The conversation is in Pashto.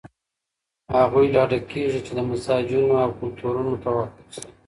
هغوی ډاډه کيږي، چي د مزاجونو او کلتورونو توافق سته